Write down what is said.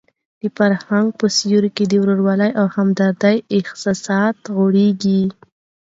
د فرهنګ په سیوري کې د ورورولۍ او همدردۍ احساسات غوړېږي.